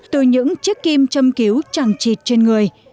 từ những chiếc kim châm cứu chẳng chịt trên người